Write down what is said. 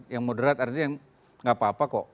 yang moderat artinya yang nggak apa apa kok